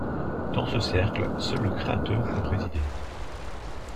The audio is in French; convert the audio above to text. Dans ce cercle, seul le Créateur peut résider.